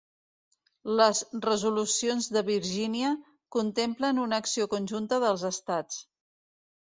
Les Resolucions de Virgínia contemplen una acció conjunta dels estats.